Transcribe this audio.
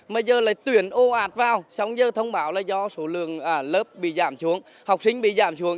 mà giờ lại tuyển ồ ạt vào xong giờ thông báo là do số lượng lớp bị giảm xuống học sinh bị giảm xuống